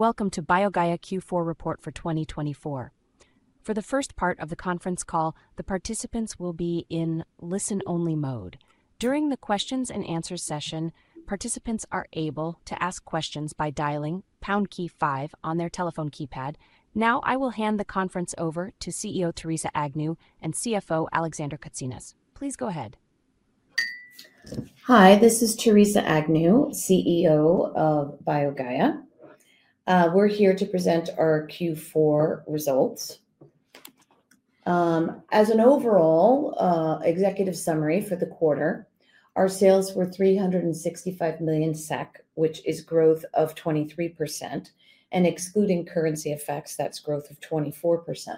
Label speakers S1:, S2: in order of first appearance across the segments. S1: Welcome to BioGaia Q4 report for 2024. For the first part of the conference call, the participants will be in listen-only mode. During the Q&A session, participants are able to ask questions by dialing #5 on their telephone keypad. Now, I will hand the conference over to CEO Theresa Agnew and CFO Alexander Kotsinas. Please go ahead.
S2: Hi, this is Theresa Agnew, CEO of BioGaia. We're here to present our Q4 results. As an overall executive summary for the quarter, our sales were 365 million SEK, which is growth of 23%. And excluding currency effects, that's growth of 24%.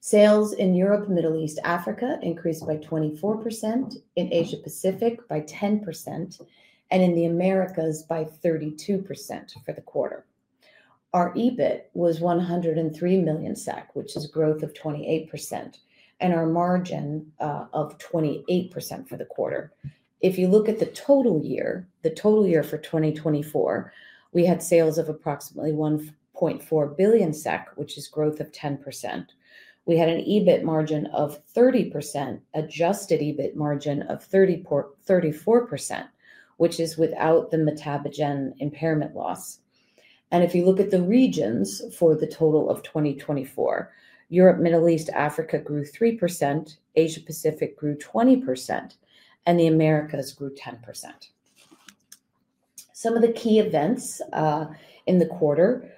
S2: Sales in Europe, Middle East, and Africa increased by 24%, in Asia-Pacific by 10%, and in the Americas by 32% for the quarter. Our EBIT was 103 million SEK, which is growth of 28%, and our margin of 28% for the quarter. If you look at the total year, the total year for 2024, we had sales of approximately 1.4 billion SEK, which is growth of 10%. We had an EBIT margin of 30%, adjusted EBIT margin of 34%, which is without the Metabogen impairment loss. If you look at the regions for the total of 2024, Europe, Middle East, and Africa grew 3%, Asia-Pacific grew 20%, and the Americas grew 10%. Some of the key events in the quarter: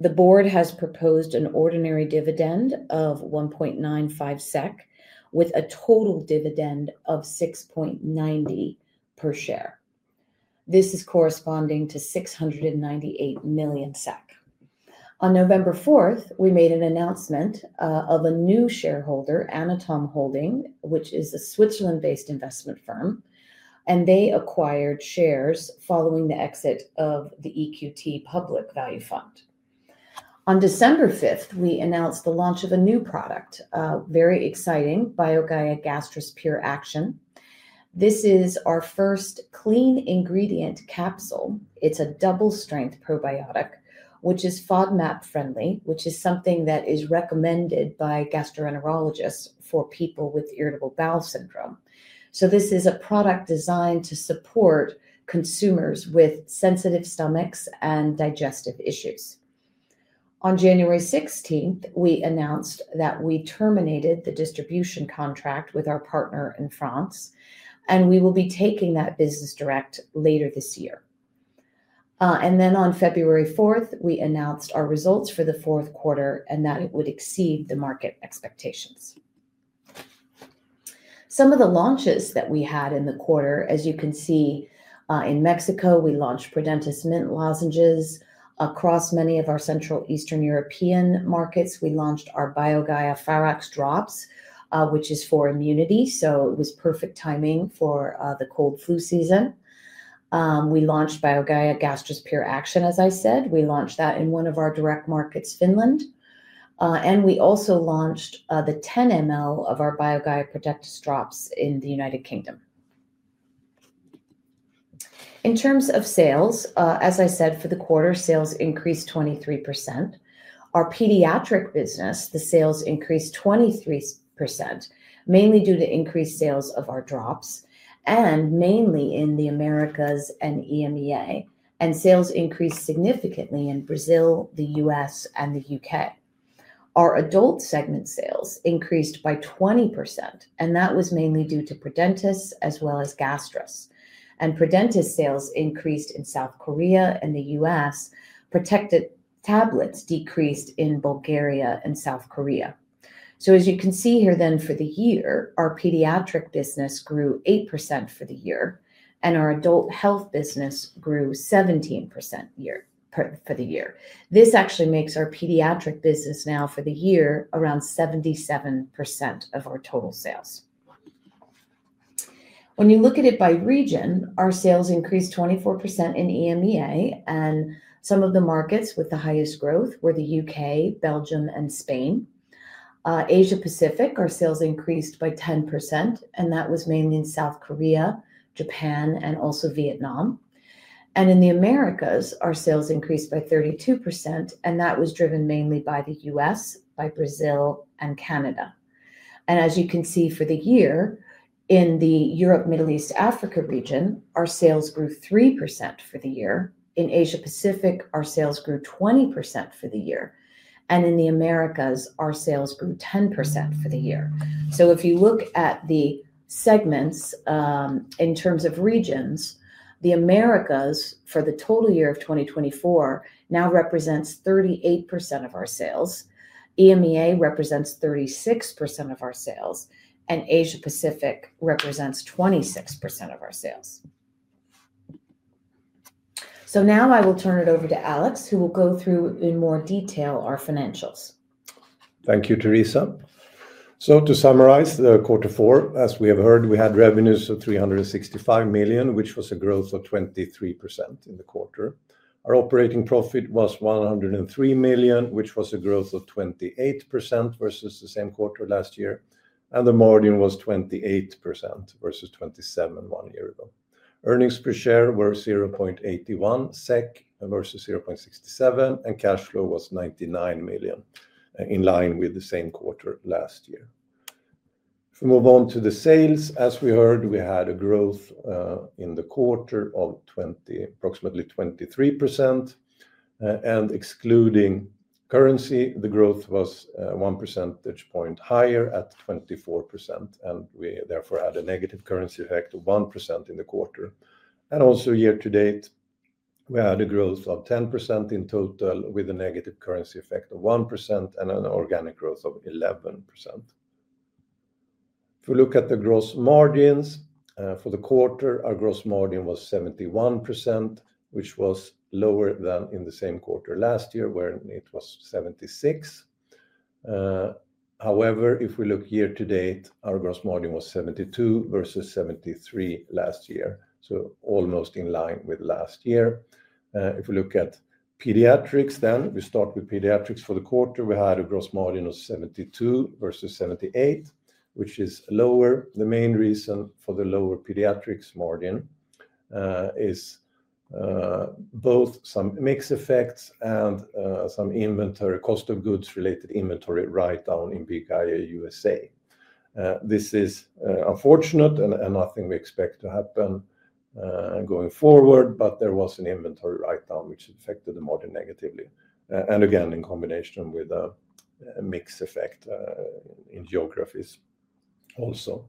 S2: the board has proposed an ordinary dividend of 1.95 SEK, with a total dividend of 6.90 per share. This is corresponding to 698 million SEK. On November 4, we made an announcement of a new shareholder, Anatom Holding, which is a Switzerland-based investment firm, and they acquired shares following the exit of the EQT Public Value Fund. On December 5, we announced the launch of a new product, very exciting, BioGaia Gastrus Pure Action. This is our first clean ingredient capsule. It's a double-strength probiotic, which is FODMAP-friendly, which is something that is recommended by gastroenterologists for people with irritable bowel syndrome. This is a product designed to support consumers with sensitive stomachs and digestive issues. On January 16, we announced that we terminated the distribution contract with our partner in France, and we will be taking that business direct later this year. And then on February 4, we announced our results for the fourth quarter and that it would exceed the market expectations. Some of the launches that we had in the quarter, as you can see, in Mexico, we launched Prodentis mint lozenges. Across many of our Central Eastern European markets, we launched our BioGaia Pharax drops, which is for immunity, so it was perfect timing for the cold flu season. We launched BioGaia Gastrus Pure Action, as I said. We launched that in one of our direct markets, Finland. And we also launched the 10 mL of our BioGaia Protectis drops in the United Kingdom. In terms of sales, as I said, for the quarter, sales increased 23%. Our pediatric business, the sales increased 23%, mainly due to increased sales of our drops, and mainly in the Americas and EMEA and sales increased significantly in Brazil, the U.S., and the U.K. Our adult segment sales increased by 20%, and that was mainly due to Prodentis as well as Gastrus, and Prodentis sales increased in South Korea and the U.S., Protectis tablets decreased in Bulgaria and South Korea, so as you can see here then for the year, our pediatric business grew 8% for the year, and our adult health business grew 17% for the year. This actually makes our pediatric business now for the year around 77% of our total sales. When you look at it by region, our sales increased 24% in EMEA, and some of the markets with the highest growth were the UK, Belgium, and Spain. In Asia-Pacific, our sales increased by 10%, and that was mainly in South Korea, Japan, and also Vietnam. In the Americas, our sales increased by 32%, and that was driven mainly by the US, by Brazil, and Canada. As you can see for the year, in the Europe, Middle East, and Africa region, our sales grew 3% for the year. In Asia-Pacific, our sales grew 20% for the year. In the Americas, our sales grew 10% for the year. If you look at the segments in terms of regions, the Americas for the total year of 2024 now represents 38% of our sales, EMEA represents 36% of our sales, and Asia-Pacific represents 26% of our sales. So now I will turn it over to Alex, who will go through in more detail our financials.
S3: Thank you, Theresa. So to summarize the quarter four, as we have heard, we had revenues of 365 million SEK, which was a growth of 23% in the quarter. Our operating profit was 103 million SEK, which was a growth of 28% versus the same quarter last year. And the margin was 28% versus 27% one year ago. Earnings per share were 0.81 SEK versus 0.67 SEK, and cash flow was 99 million SEK, in line with the same quarter last year. If we move on to the sales, as we heard, we had a growth in the quarter of approximately 23%. And excluding currency, the growth was 1 percentage point higher at 24%, and we therefore had a negative currency effect of 1% in the quarter. And also year to date, we had a growth of 10% in total, with a negative currency effect of 1% and an organic growth of 11%. If we look at the gross margins for the quarter, our gross margin was 71%, which was lower than in the same quarter last year, when it was 76%. However, if we look year to date, our gross margin was 72% versus 73% last year, so almost in line with last year. If we look at pediatrics then, we start with pediatrics for the quarter, we had a gross margin of 72% versus 78%, which is lower. The main reason for the lower pediatrics margin is both some mix effects and some inventory cost of goods related inventory write-down in BioGaia USA. This is unfortunate and nothing we expect to happen going forward, but there was an inventory write-down which affected the margin negatively, and again, in combination with a mixed effect in geographies also.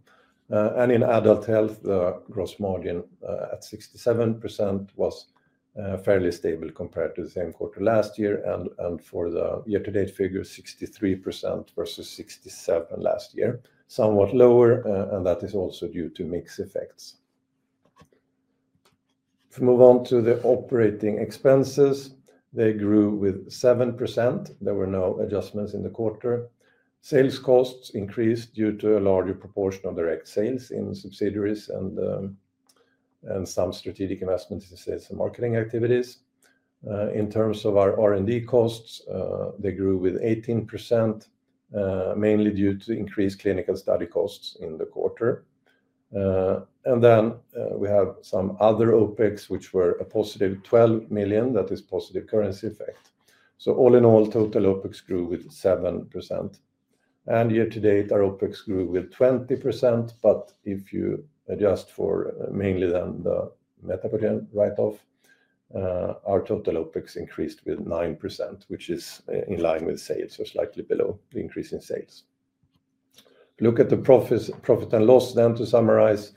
S3: In adult health, the gross margin at 67% was fairly stable compared to the same quarter last year. For the year-to-date figure, 63% versus 67% last year, somewhat lower, and that is also due to mix effects. If we move on to the operating expenses, they grew with 7%. There were no adjustments in the quarter. Sales costs increased due to a larger proportion of direct sales in subsidiaries and some strategic investments in sales and marketing activities. In terms of our R&D costs, they grew with 18%, mainly due to increased clinical study costs in the quarter. We have some other OPEX, which were a positive 12 million, that is positive currency effect. All in all, total OPEX grew with 7%. Year to date, our OPEX grew with 20%, but if you adjust for mainly then the Metabogen write-off, our total OPEX increased with 9%, which is in line with sales, or slightly below the increase in sales. Look at the profit and loss then to summarize.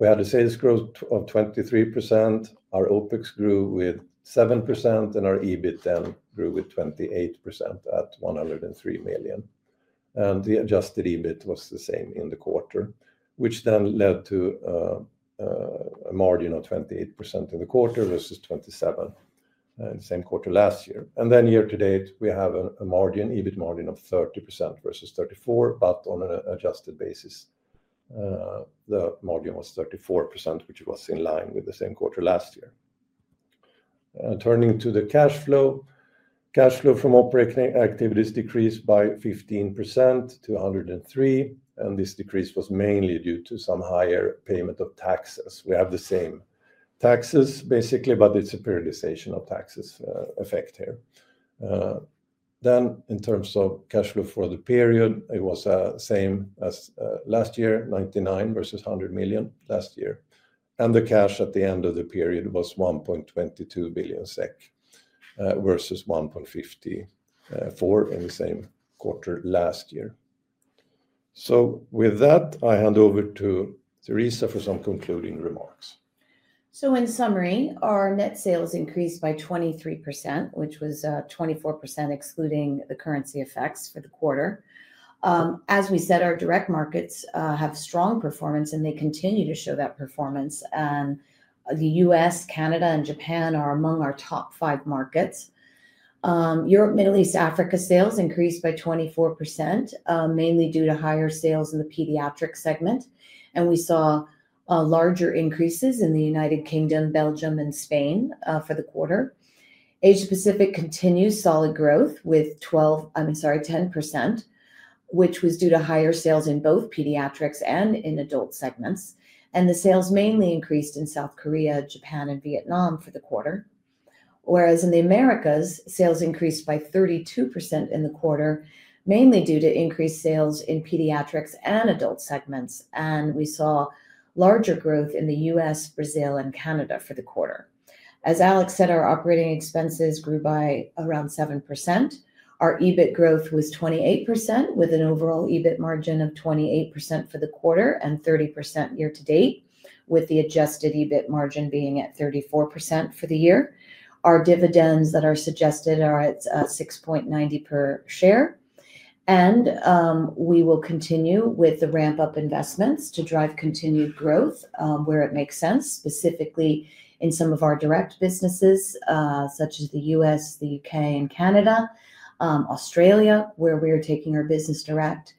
S3: We had a sales growth of 23%, our OPEX grew with 7%, and our EBIT then grew with 28% at 103 million. The adjusted EBIT was the same in the quarter, which then led to a margin of 28% in the quarter versus 27% in the same quarter last year. Then year to date, we have an EBIT margin of 30% versus 34%, but on an adjusted basis, the margin was 34%, which was in line with the same quarter last year. Turning to the cash flow, cash flow from operating activities decreased by 15% to 103%, and this decrease was mainly due to some higher payment of taxes. We have the same taxes basically, but it's a periodization of taxes effect here. Then in terms of cash flow for the period, it was the same as last year, 99 versus 100 million last year. And the cash at the end of the period was 1.22 billion SEK versus 1.54 in the same quarter last year. So with that, I hand over to Theresa for some concluding remarks.
S2: So in summary, our net sales increased by 23%, which was 24% excluding the currency effects for the quarter. As we said, our direct markets have strong performance, and they continue to show that performance. And the U.S., Canada, and Japan are among our top five markets. Europe, Middle East, and Africa sales increased by 24%, mainly due to higher sales in the pediatric segment. And we saw larger increases in the United Kingdom, Belgium, and Spain for the quarter. Asia-Pacific continues solid growth with 12%, I'm sorry, 10%, which was due to higher sales in both pediatrics and in adult segments. And the sales mainly increased in South Korea, Japan, and Vietnam for the quarter. Whereas in the Americas, sales increased by 32% in the quarter, mainly due to increased sales in pediatrics and adult segments. And we saw larger growth in the U.S., Brazil, and Canada for the quarter. As Alex said, our operating expenses grew by around 7%. Our EBIT growth was 28%, with an overall EBIT margin of 28% for the quarter and 30% year to date, with the adjusted EBIT margin being at 34% for the year. Our dividends that are suggested are at 6.90 per share. And we will continue with the ramp-up investments to drive continued growth where it makes sense, specifically in some of our direct businesses, such as the U.S., the U.K., and Canada, Australia, where we are taking our business direct.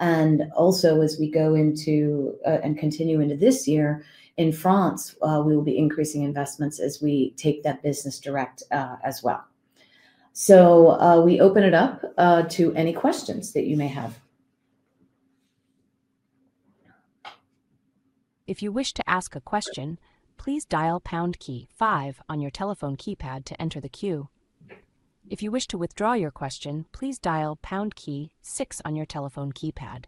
S2: And also, as we go into and continue into this year in France, we will be increasing investments as we take that business direct as well. So we open it up to any questions that you may have.
S1: If you wish to ask a question, please dial pound key five on your telephone keypad to enter the queue. If you wish to withdraw your question, please dial pound key six on your telephone keypad.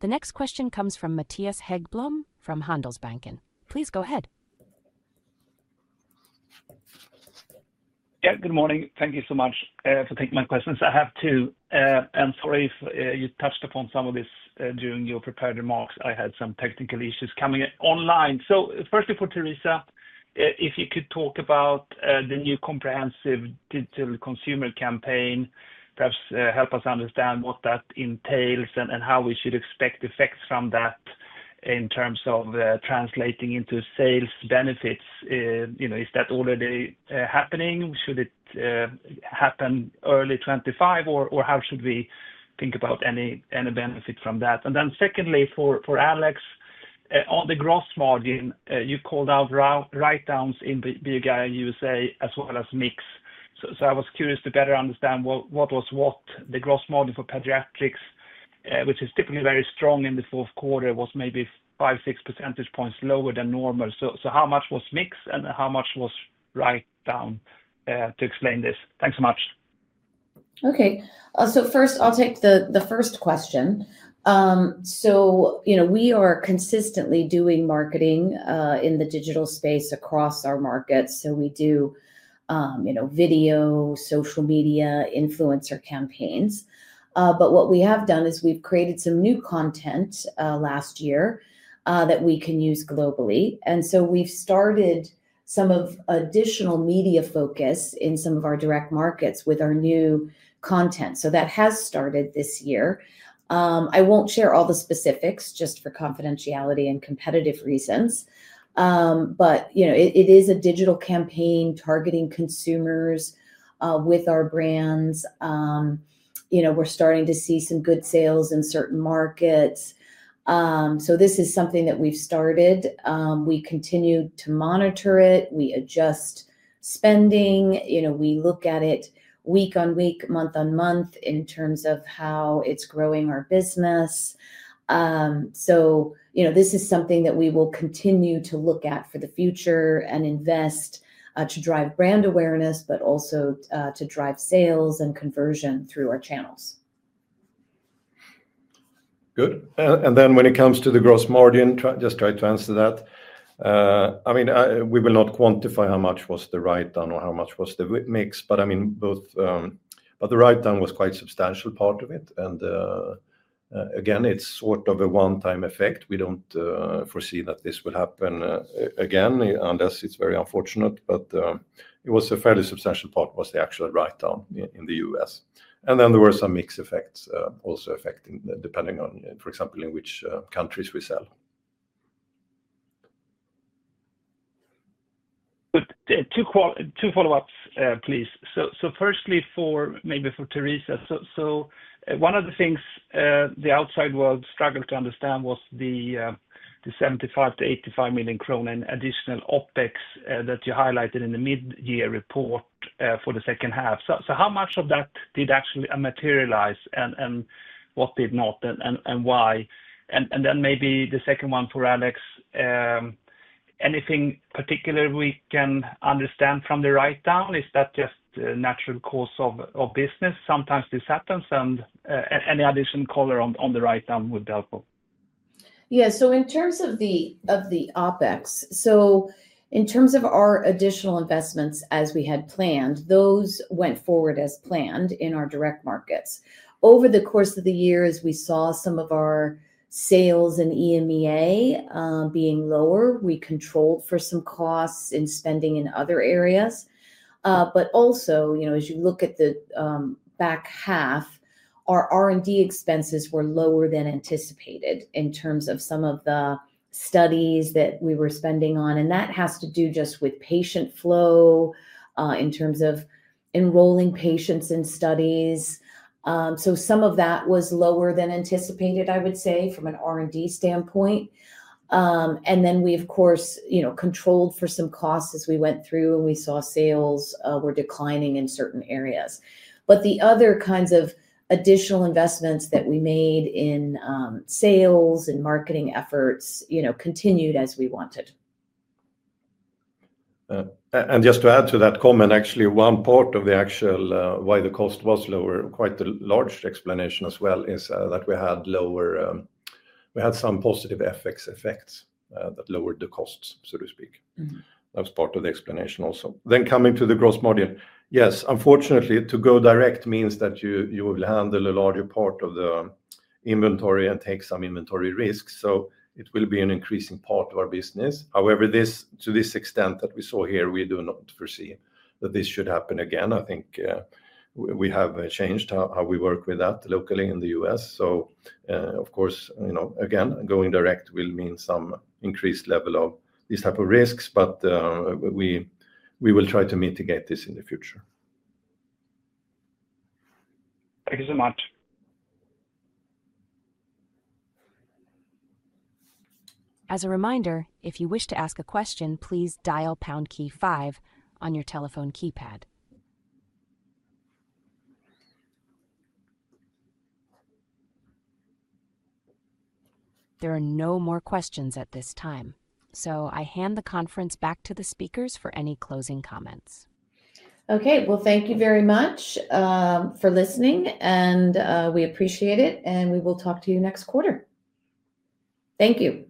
S1: The next question comes from Mattias Häggblom from Handelsbanken. Please go ahead.
S4: Yeah, good morning. Thank you so much for taking my questions. I have two. And sorry if you touched upon some of this during your prepared remarks. I had some technical issues coming online. So firstly, for Theresa, if you could talk about the new comprehensive digital consumer campaign, perhaps help us understand what that entails and how we should expect effects from that in terms of translating into sales benefits. Is that already happening? Should it happen early 2025, or how should we think about any benefit from that? And then secondly, for Alex, on the gross margin, you called out write-downs in BioGaia USA as well as mix. So I was curious to better understand what was what. The gross margin for pediatrics, which is typically very strong in the fourth quarter, was maybe five-six percentage points lower than normal. So how much was mix and how much was write-down to explain this? Thanks so much.
S2: Okay, so first, I'll take the first question, so we are consistently doing marketing in the digital space across our markets, so we do video, social media, influencer campaigns. But what we have done is we've created some new content last year that we can use globally, and so we've started some of additional media focus in some of our direct markets with our new content, so that has started this year. I won't share all the specifics just for confidentiality and competitive reasons, but it is a digital campaign targeting consumers with our brands. We're starting to see some good sales in certain markets, so this is something that we've started. We continue to monitor it. We adjust spending. We look at it week on week, month on month in terms of how it's growing our business. So this is something that we will continue to look at for the future and invest to drive brand awareness, but also to drive sales and conversion through our channels.
S3: Good. And then when it comes to the gross margin, just try to answer that. I mean, we will not quantify how much was the write-down or how much was the mix, but I mean, both, but the write-down was quite a substantial part of it. And again, it's sort of a one-time effect. We don't foresee that this will happen again, unless it's very unfortunate. But it was a fairly substantial part was the actual write-down in the U.S. And then there were some mix effects also affecting depending on, for example, in which countries we sell.
S4: Two follow-ups, please. So firstly, maybe for Theresa, so one of the things the outside world struggled to understand was the 75 million-85 million krona in additional OPEX that you highlighted in the mid-year report for the second half. So how much of that did actually materialize and what did not, and why? And then maybe the second one for Alex, anything particular we can understand from the write-down? Is that just a natural course of business? Sometimes this happens, and any additional color on the write-down would help.
S2: Yeah. So in terms of the OPEX, so in terms of our additional investments as we had planned, those went forward as planned in our direct markets. Over the course of the year, as we saw some of our sales in EMEA being lower, we controlled for some costs in spending in other areas. But also, as you look at the back half, our R&D expenses were lower than anticipated in terms of some of the studies that we were spending on. And that has to do just with patient flow in terms of enrolling patients in studies. So some of that was lower than anticipated, I would say, from an R&D standpoint. And then we, of course, controlled for some costs as we went through and we saw sales were declining in certain areas. But the other kinds of additional investments that we made in sales and marketing efforts continued as we wanted.
S3: And just to add to that comment, actually, one part of the actual why the cost was lower, quite a large explanation as well, is that we had lower, we had some positive FX effects that lowered the costs, so to speak. That's part of the explanation also. Then coming to the gross margin, yes, unfortunately, to go direct means that you will handle a larger part of the inventory and take some inventory risk. So it will be an increasing part of our business. However, to this extent that we saw here, we do not foresee that this should happen again. I think we have changed how we work with that locally in the U.S. So of course, again, going direct will mean some increased level of these type of risks, but we will try to mitigate this in the future.
S4: Thank you so much.
S1: As a reminder, if you wish to ask a question, please dial pound key five on your telephone keypad. There are no more questions at this time. So I hand the conference back to the speakers for any closing comments.
S2: Okay. Well, thank you very much for listening, and we appreciate it, and we will talk to you next quarter. Thank you.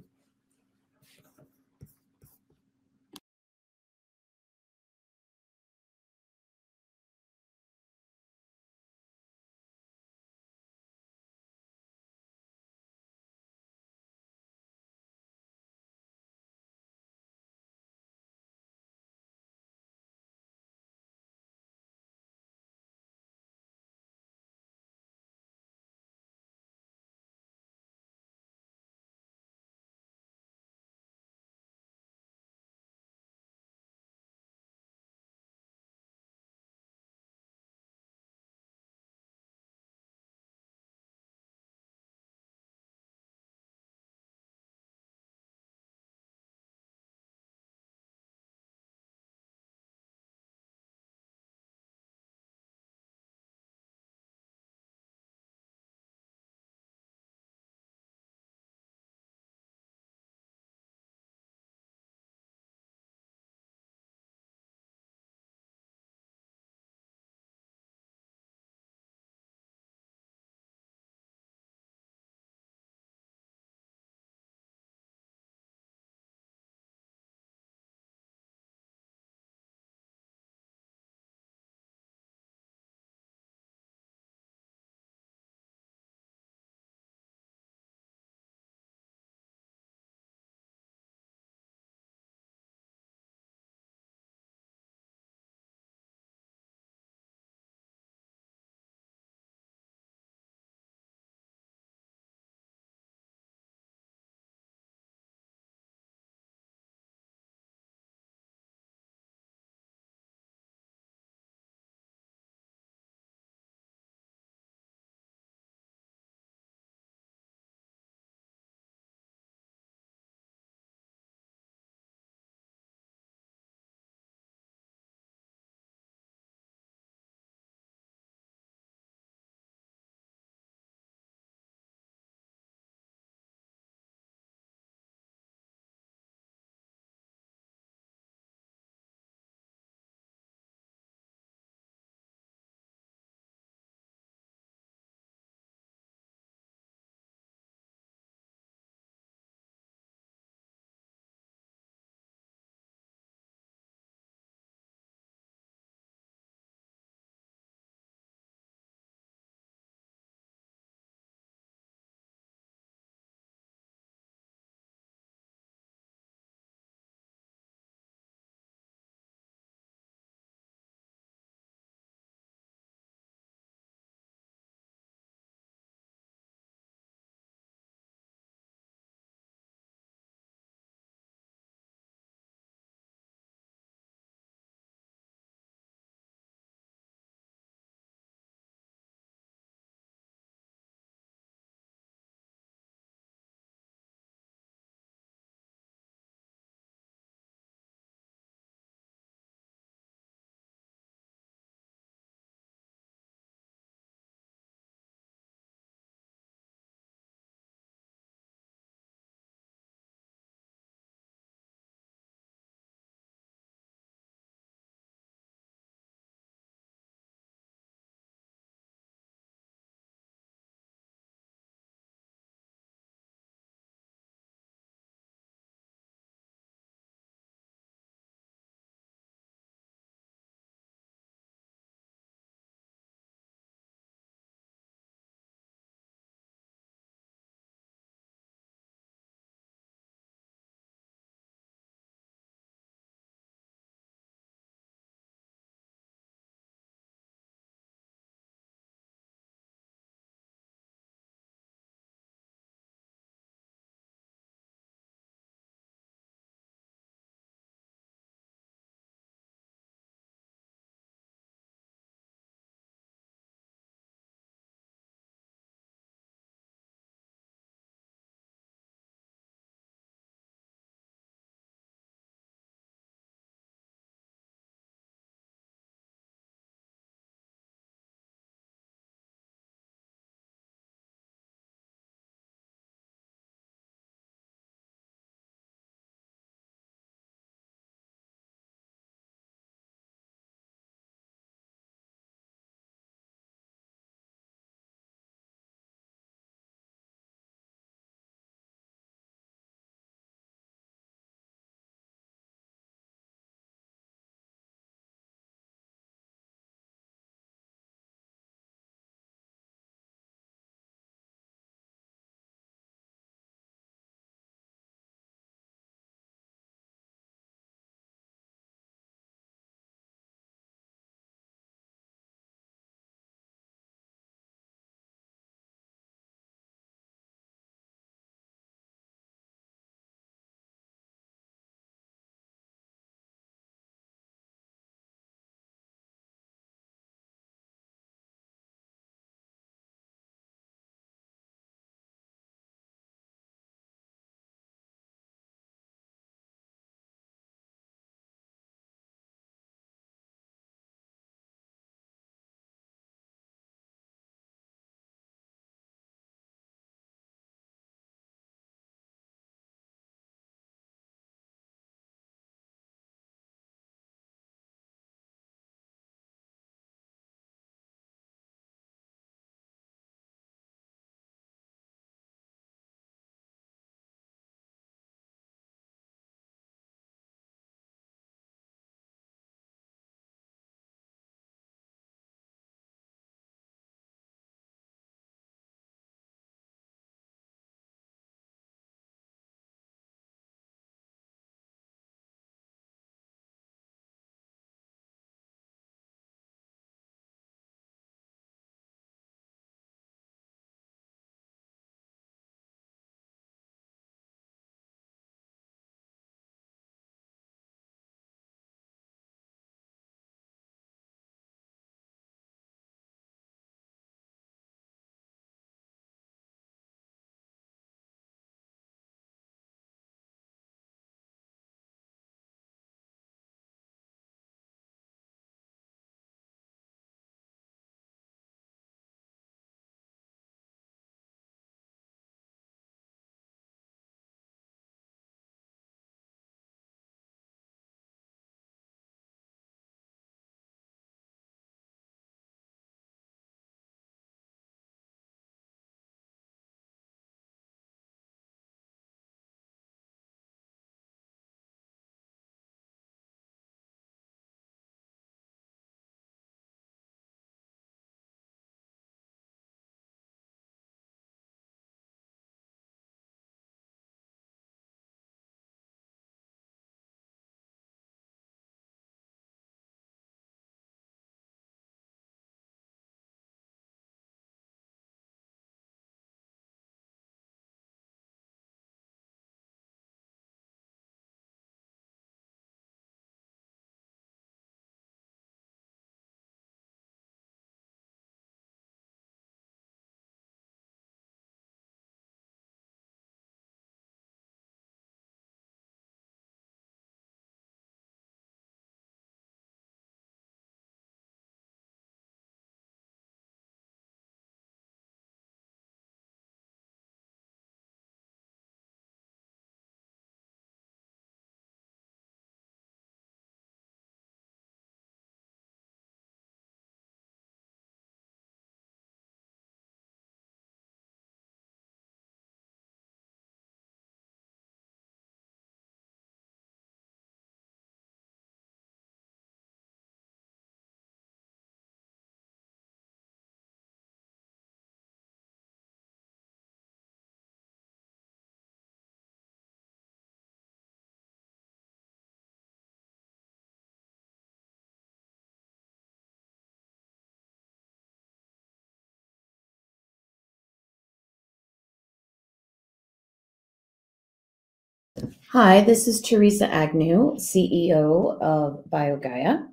S2: Hi, this is Theresa Agnew, CEO of BioGaia.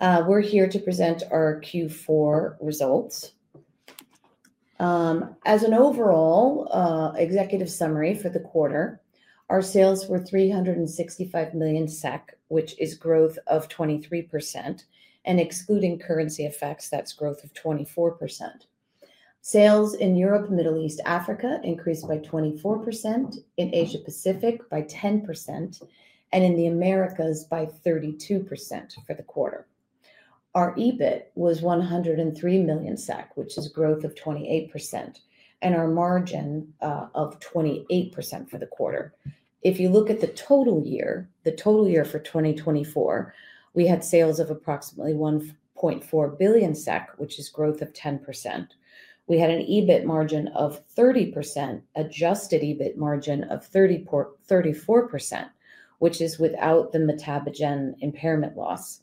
S2: We're here to present our Q4 results. As an overall executive summary for the quarter, our sales were 365 million SEK, which is growth of 23%. And excluding currency effects, that's growth of 24%. Sales in Europe, Middle East, Africa increased by 24%, in Asia Pacific by 10%, and in the Americas by 32% for the quarter. Our EBIT was 103 million SEK, which is growth of 28%, and our margin of 28% for the quarter. If you look at the total year, the total year for 2024, we had sales of approximately 1.4 billion SEK, which is growth of 10%. We had an EBIT margin of 30%, adjusted EBIT margin of 34%, which is without the Metabogen impairment loss.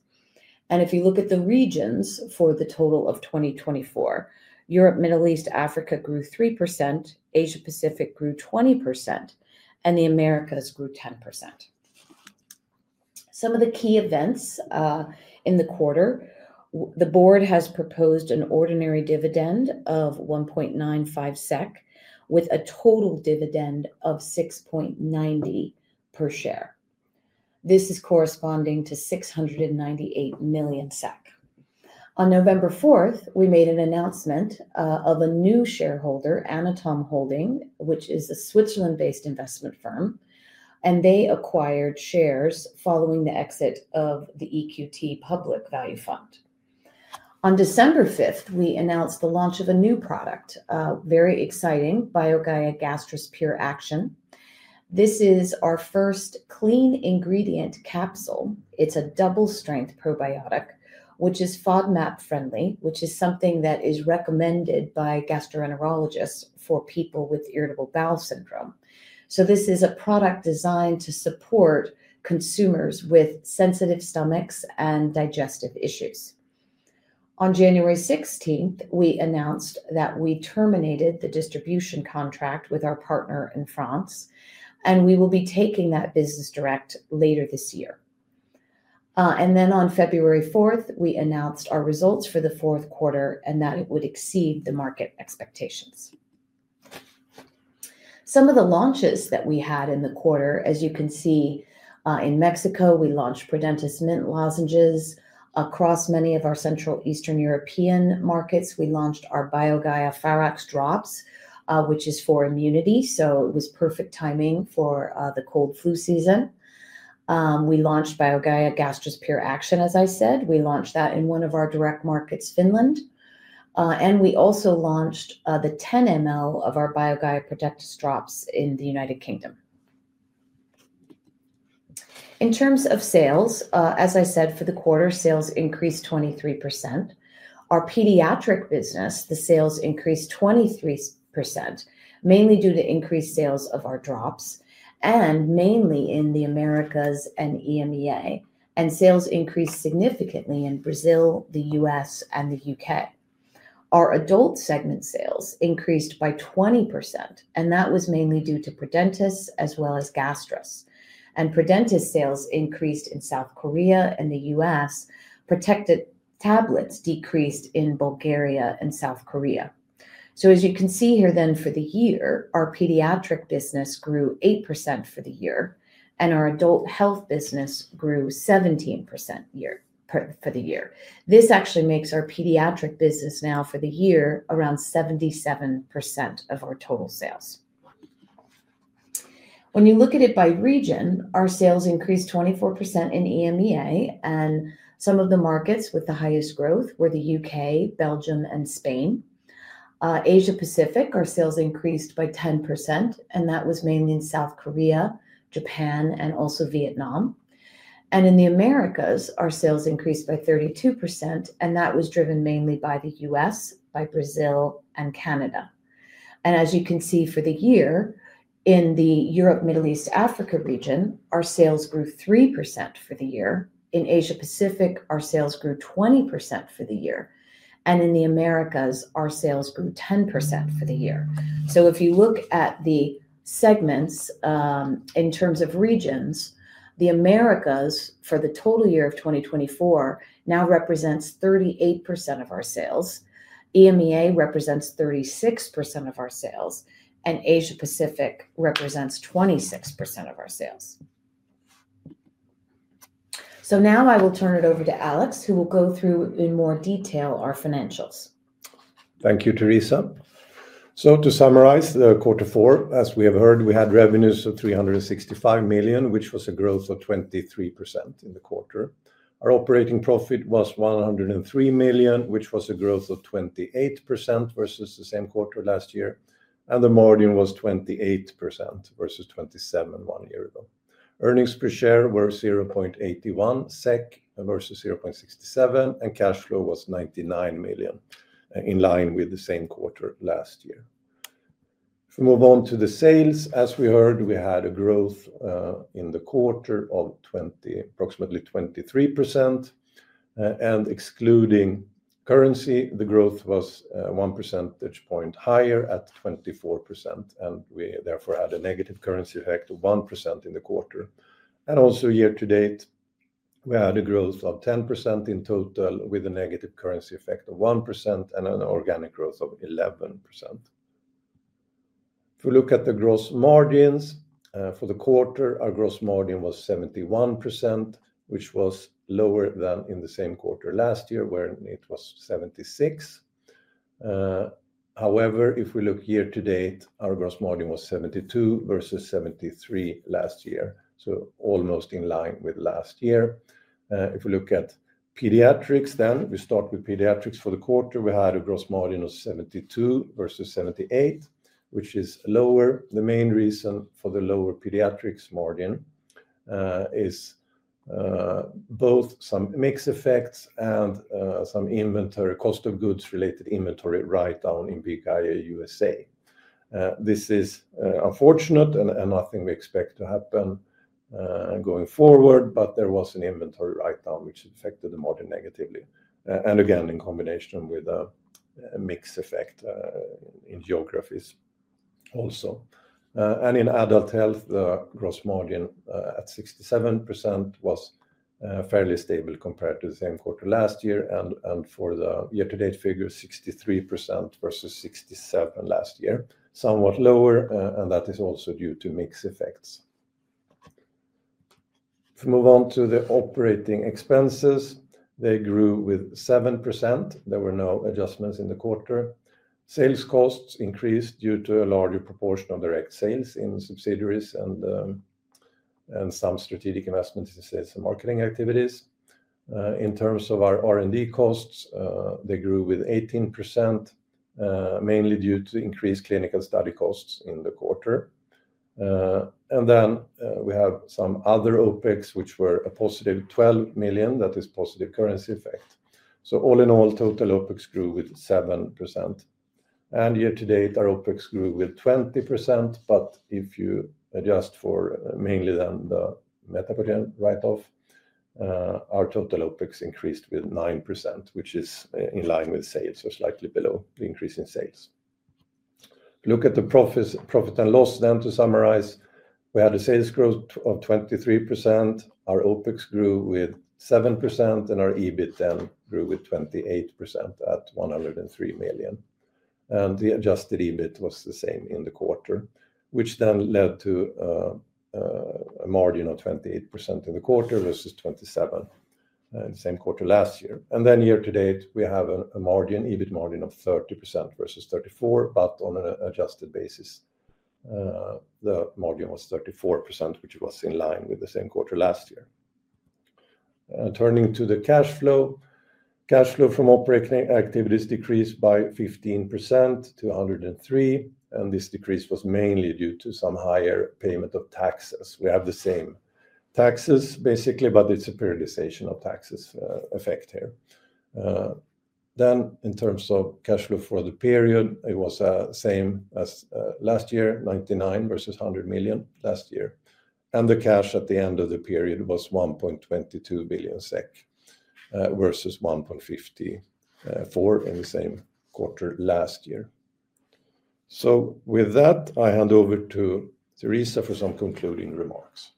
S2: If you look at the regions for the total of 2024, Europe, Middle East, Africa grew three%, Asia Pacific grew 20%, and the Americas grew 10%. Some of the key events in the quarter: the board has proposed an ordinary dividend of 1.95 SEK with a total dividend of 6.90 SEK per share. This is corresponding to 698 million SEK. On November 4th, we made an announcement of a new shareholder, Anatom Holding, which is a Switzerland-based investment firm, and they acquired shares following the exit of the EQT Public Value Fund. On December 5th, we announced the launch of a new product, very exciting, BioGaia Gastrus Pure Action. This is our first clean ingredient capsule. It's a double-strength probiotic, which is FODMAP-friendly, which is something that is recommended by gastroenterologists for people with irritable bowel syndrome. This is a product designed to support consumers with sensitive stomachs and digestive issues. On January 16th, we announced that we terminated the distribution contract with our partner in France, and we will be taking that business direct later this year. On February 4th, we announced our results for the fourth quarter and that it would exceed the market expectations. Some of the launches that we had in the quarter, as you can see in Mexico, we launched Prodentis mint lozenges. Across many of our Central Eastern European markets, we launched our BioGaia Pharax drops, which is for immunity. It was perfect timing for the cold flu season. We launched BioGaia Gastrus Pure Action, as I said. We launched that in one of our direct markets, Finland. We also launched the 10 ml of our BioGaia Protectis drops in the United Kingdom. In terms of sales, as I said, for the quarter, sales increased 23%. Our pediatric business, the sales increased 23%, mainly due to increased sales of our drops and mainly in the Americas and EMEA. And sales increased significantly in Brazil, the U.S., and the U.K. Our adult segment sales increased by 20%, and that was mainly due to Prodentis as well as Gastrus. And Prodentis sales increased in South Korea and the U.S., Protectis tablets decreased in Bulgaria and South Korea. So as you can see here then for the year, our pediatric business grew 8% for the year, and our adult health business grew 17% for the year. This actually makes our pediatric business now for the year around 77% of our total sales. When you look at it by region, our sales increased 24% in EMEA, and some of the markets with the highest growth were the U.K., Belgium, and Spain. Asia Pacific, our sales increased by 10%, and that was mainly in South Korea, Japan, and also Vietnam. And in the Americas, our sales increased by 32%, and that was driven mainly by the U.S., by Brazil, and Canada. And as you can see for the year, in the Europe, Middle East, Africa region, our sales grew 3% for the year. In Asia Pacific, our sales grew 20% for the year. And in the Americas, our sales grew 10% for the year. So if you look at the segments in terms of regions, the Americas for the total year of 2024 now represents 38% of our sales. EMEA represents 36% of our sales, and Asia Pacific represents 26% of our sales. So now I will turn it over to Alex, who will go through in more detail our financials.
S3: Thank you, Theresa. To summarize the quarter four, as we have heard, we had revenues of 365 million, which was a growth of 23% in the quarter. Our operating profit was 103 million, which was a growth of 28% versus the same quarter last year. The margin was 28% versus 27% one year ago. Earnings per share were 0.81 SEK versus 0.67 SEK, and cash flow was 99 million, in line with the same quarter last year. If we move on to the sales, as we heard, we had a growth in the quarter of approximately 23%. Excluding currency, the growth was one percentage point higher at 24%, and we therefore had a negative currency effect of 1% in the quarter. Also year to date, we had a growth of 10% in total with a negative currency effect of 1% and an organic growth of 11%. If we look at the gross margins for the quarter, our gross margin was 71%, which was lower than in the same quarter last year where it was 76%. However, if we look year to date, our gross margin was 72% versus 73% last year, so almost in line with last year. If we look at pediatrics then, we start with pediatrics for the quarter. We had a gross margin of 72% versus 78%, which is lower. The main reason for the lower pediatrics margin is both some mix effects and some inventory cost of goods related inventory write-down in BioGaia USA. This is unfortunate and nothing we expect to happen going forward, but there was an inventory write-down which affected the margin negatively, and again, in combination with a mixed effect in geographies also. In adult health, the gross margin at 67% was fairly stable compared to the same quarter last year. For the year to date figure, 63% versus 67% last year, somewhat lower, and that is also due to mix effects. If we move on to the operating expenses, they grew with 7%. There were no adjustments in the quarter. Sales costs increased due to a larger proportion of direct sales in subsidiaries and some strategic investments in sales and marketing activities. In terms of our R&D costs, they grew with 18%, mainly due to increased clinical study costs in the quarter. Then we have some other OPEX, which were a positive 12 million. That is positive currency effect. All in all, total OPEX grew with 7%. Year to date, our OPEX grew with 20%, but if you adjust for mainly then the Metabogen write-off, our total OPEX increased with 9%, which is in line with sales, so slightly below the increase in sales. Look at the profit and loss then to summarize. We had a sales growth of 23%. Our OPEX grew with 7%, and our EBIT then grew with 28% at 103 million. The adjusted EBIT was the same in the quarter, which then led to a margin of 28% in the quarter versus 27% in the same quarter last year. Year to date, we have a EBIT margin of 30% versus 34%, but on an adjusted basis, the margin was 34%, which was in line with the same quarter last year. Turning to the cash flow, cash flow from operating activities decreased by 15% to 103 million. This decrease was mainly due to some higher payment of taxes. We have the same taxes basically, but it's a periodization of taxes effect here. In terms of cash flow for the period, it was the same as last year, 99 million versus 100 million last year. The cash at the end of the period was 1.22 billion SEK versus 1.54 billion in the same quarter last year. With that, I hand over to Theresa for some concluding remarks.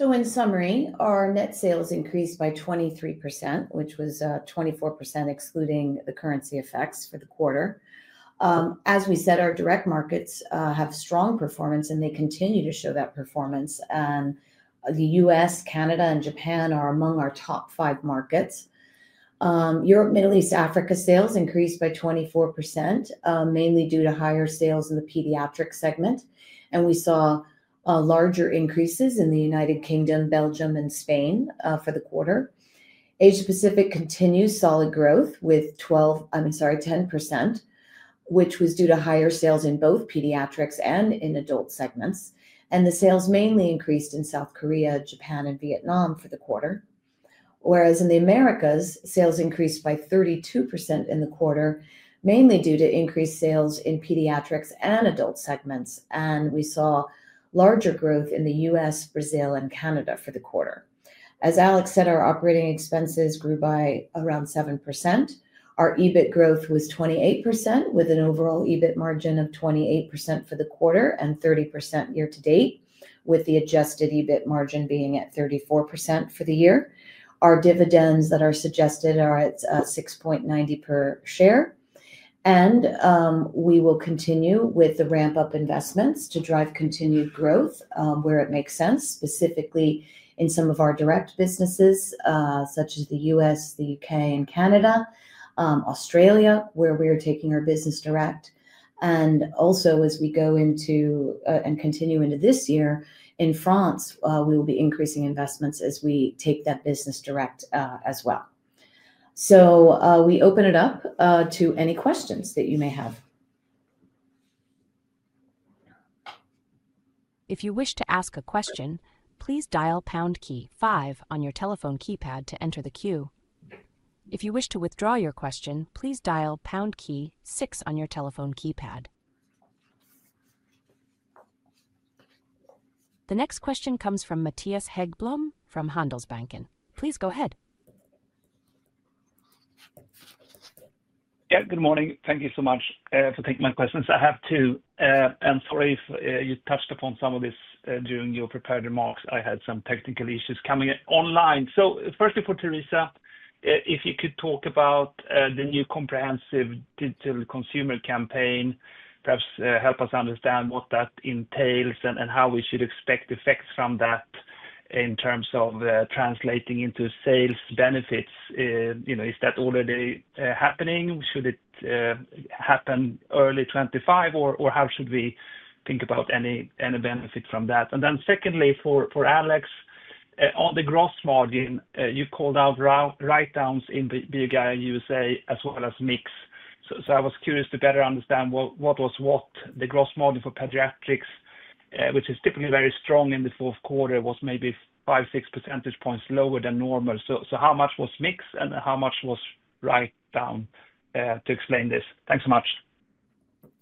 S2: In summary, our net sales increased by 23%, which was 24% excluding the currency effects for the quarter. As we said, our direct markets have strong performance, and they continue to show that performance. The U.S., Canada, and Japan are among our top five markets. Europe, Middle East, Africa sales increased by 24%, mainly due to higher sales in the pediatric segment. We saw larger increases in the United Kingdom, Belgium, and Spain for the quarter. Asia Pacific continues solid growth with 12, I'm sorry, 10%, which was due to higher sales in both pediatrics and in adult segments. The sales mainly increased in South Korea, Japan, and Vietnam for the quarter. Whereas in the Americas, sales increased by 32% in the quarter, mainly due to increased sales in pediatrics and adult segments. And we saw larger growth in the U.S., Brazil, and Canada for the quarter. As Alex said, our operating expenses grew by around 7%. Our EBIT growth was 28% with an overall EBIT margin of 28% for the quarter and 30% year to date, with the adjusted EBIT margin being at 34% for the year. Our dividends that are suggested are at 6.90 per share. And we will continue with the ramp-up investments to drive continued growth where it makes sense, specifically in some of our direct businesses such as the U.S., the U.K., and Canada, Australia, where we are taking our business direct. And also, as we go into and continue into this year in France, we will be increasing investments as we take that business direct as well. So we open it up to any questions that you may have.
S1: If you wish to ask a question, please dial pound key five on your telephone keypad to enter the queue. If you wish to withdraw your question, please dial pound key six on your telephone keypad. The next question comes from Mattias Häggblom from Handelsbanken. Please go ahead.
S4: Yeah, good morning. Thank you so much for taking my questions. I have two. And sorry if you touched upon some of this during your prepared remarks. I had some technical issues coming online. So firstly, for Theresa, if you could talk about the new comprehensive digital consumer campaign, perhaps help us understand what that entails and how we should expect effects from that in terms of translating into sales benefits. Is that already happening? Should it happen early 2025, or how should we think about any benefit from that? And then secondly, for Alex, on the gross margin, you called out write-downs in BioGaia USA as well as mix. So I was curious to better understand what was what. The gross margin for pediatrics, which is typically very strong in the fourth quarter, was maybe five, six percentage points lower than normal. So how much was mix and how much was write-down to explain this? Thanks so much.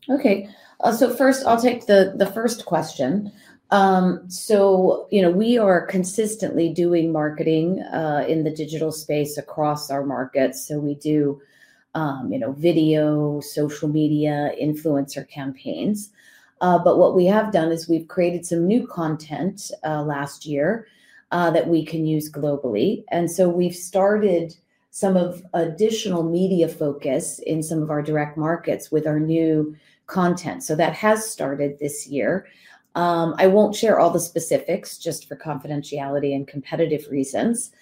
S2: Okay. So first, I'll take the first question. So we are consistently doing marketing in the digital space across our markets. So we do video, social media, influencer campaigns. But what we have done is we've created some new content last year that we can use globally. And so we've started some of additional media focus in some of our direct markets with our new content. So that has started this year. I won't share all the specifics just for confidentiality and competitive reasons.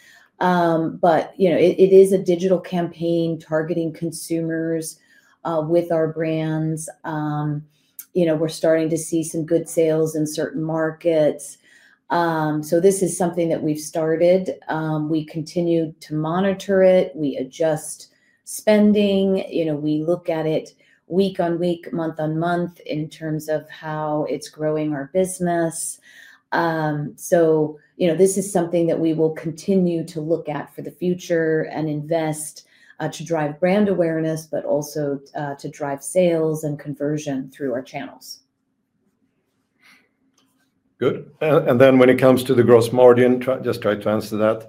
S2: But it is a digital campaign targeting consumers with our brands. We're starting to see some good sales in certain markets. So this is something that we've started. We continue to monitor it. We adjust spending. We look at it week on week, month on month in terms of how it's growing our business. So this is something that we will continue to look at for the future and invest to drive brand awareness, but also to drive sales and conversion through our channels.
S3: Good. And then when it comes to the gross margin, just try to answer that.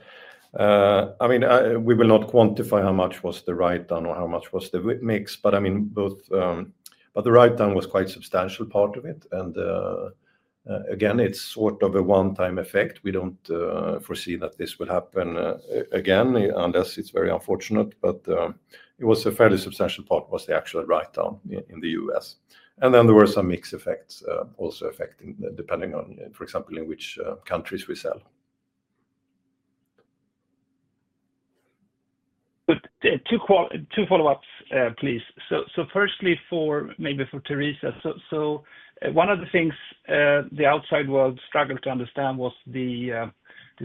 S3: I mean, we will not quantify how much was the write-down or how much was the mix, but I mean, both, but the write-down was quite a substantial part of it. And again, it's sort of a one-time effect. We don't foresee that this will happen again unless it's very unfortunate. But it was a fairly substantial part was the actual write-down in the U.S. And then there were some mixed effects also affecting depending on, for example, in which countries we sell.
S4: Good. Two follow-ups, please. So firstly, maybe for Theresa, so one of the things the outside world struggled to understand was the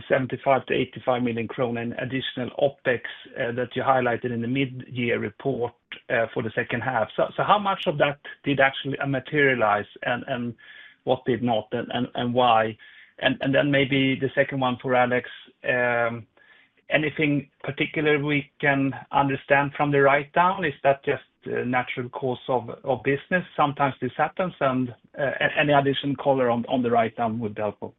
S4: 75 million-85 million krona in additional OPEX that you highlighted in the mid-year report for the second half. So how much of that did actually materialize and what did not and why? And then maybe the second one for Alex, anything particular we can understand from the write-down? Is that just a natural course of business? Sometimes this happens. And any additional color on the write-down would be helpful.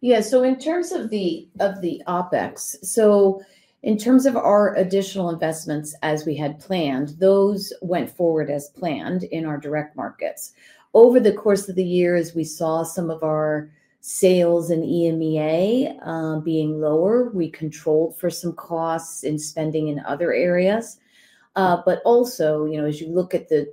S2: Yeah. So in terms of the OPEX, so in terms of our additional investments as we had planned, those went forward as planned in our direct markets. Over the course of the year, as we saw some of our sales in EMEA being lower, we controlled for some costs in spending in other areas. But also, as you look at the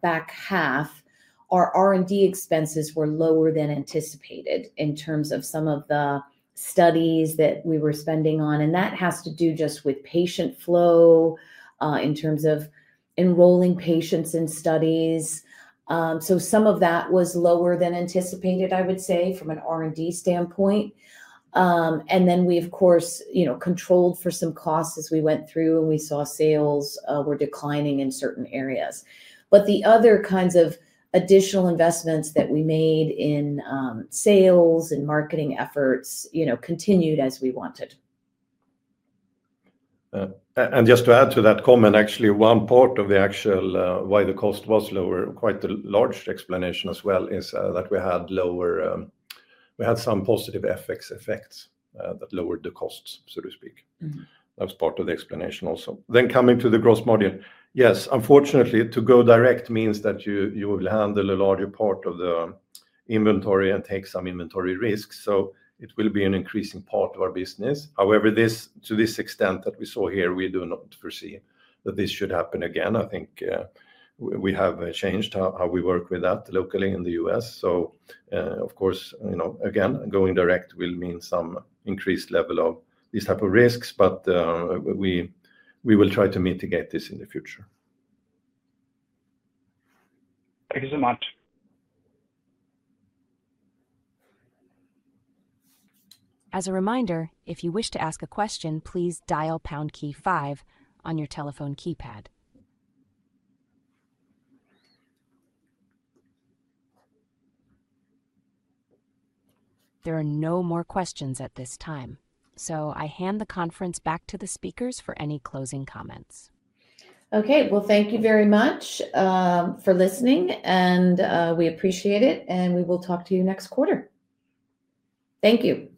S2: back half, our R&D expenses were lower than anticipated in terms of some of the studies that we were spending on. And that has to do just with patient flow in terms of enrolling patients in studies. So some of that was lower than anticipated, I would say, from an R&D standpoint. And then we, of course, controlled for some costs as we went through and we saw sales were declining in certain areas. But the other kinds of additional investments that we made in sales and marketing efforts continued as we wanted.
S3: Just to add to that comment, actually, one part of the actual why the cost was lower, quite a large explanation as well, is that we had some positive FX effects that lowered the costs, so to speak. That was part of the explanation also. Coming to the gross margin, yes, unfortunately, to go direct means that you will handle a larger part of the inventory and take some inventory risks. So it will be an increasing part of our business. However, to this extent that we saw here, we do not foresee that this should happen again. I think we have changed how we work with that locally in the U.S. So of course, again, going direct will mean some increased level of these type of risks, but we will try to mitigate this in the future.
S4: Thank you so much.
S1: As a reminder, if you wish to ask a question, please dial pound key five on your telephone keypad. There are no more questions at this time. So I hand the conference back to the speakers for any closing comments.
S2: Okay. Well, thank you very much for listening, and we appreciate it. And we will talk to you next quarter. Thank you.